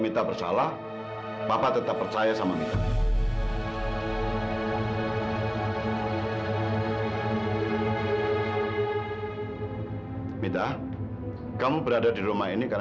ibu pasti ngelamun terus ya